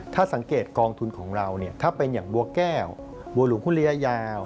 ถ้าสังเกตกองทุนของเราเนี่ยถ้าเป็นอย่างบัวแก้วบัวหลวงคุณระยะยาว